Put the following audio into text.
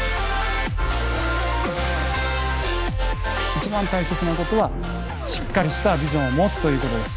一番大切なことはしっかりしたビジョンを持つということです。